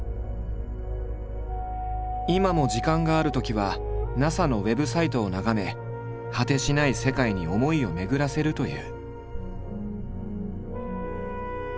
今も時間があるときはＮＡＳＡのウェブサイトを眺め果てしない世界に思いを巡らせるという。